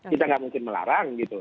kita nggak mungkin melarang gitu